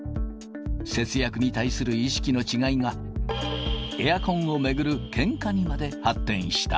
節約に対する意識の違いが、エアコンを巡るけんかにまで発展した。